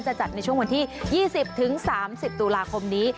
จัดในช่วงวันที่๒๐๓๐ตุลาคมนี้